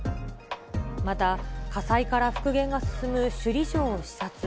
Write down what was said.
また、火災から復元が進む首里城を視察。